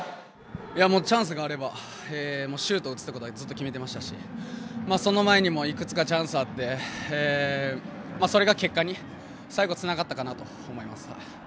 チャンスがあればシュートを打つってことはずっと決めてましたしその前にもいくつかチャンスがあって最後それが結果につながったかなと思います。